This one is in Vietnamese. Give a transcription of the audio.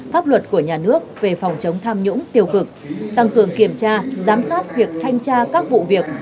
pháp luật của nhà nước về phòng chống tham nhũng tiêu cực tăng cường kiểm tra giám sát việc thanh tra các vụ việc